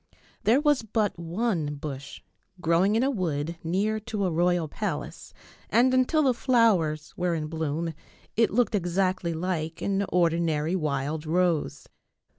There was but one bush growing in a wood near to a royal palace, and until the flowers were in bloom it looked exactly like an ordinary wild rose.